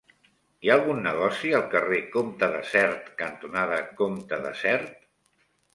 Hi ha algun negoci al carrer Comte de Sert cantonada Comte de Sert?